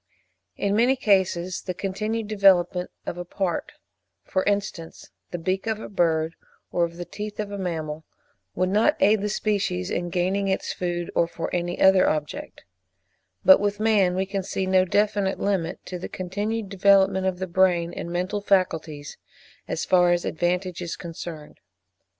In many cases the continued development of a part, for instance, of the beak of a bird, or of the teeth of a mammal, would not aid the species in gaining its food, or for any other object; but with man we can see no definite limit to the continued development of the brain and mental faculties, as far as advantage is concerned.